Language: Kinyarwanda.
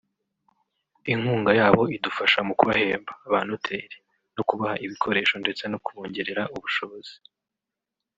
inkunga yabo idufasha mu ku bahemba (ba noteri) no kubaha ibikoresho ndetse no kubongerera ubushobozi